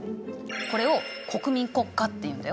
これを国民国家っていうんだよ。